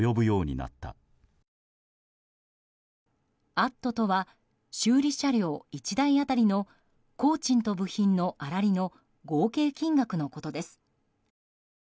アットとは修理車両１台当たりの工賃と部品の粗利の合計金額のことです。